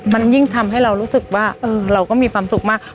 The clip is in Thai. มันยิ่งทำให้เรารู้สึกว่าเราก็มีความสุขมาก